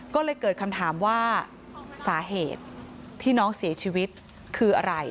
ก็เลยเกิดคำถามว่าสาเหตุที่น้องเสียชีวิตคืออะไร